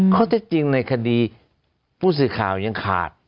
ข้อเท็จจริงในคดีผู้สื่อข่าวยังขาด